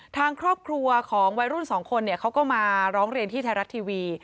ทางครอบครัวของวัยรุ่นสองคนเขาก็มาร้องเรียนที่ไทยรัฐทีวี